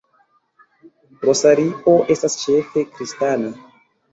Rosario estas ĉefe kristana.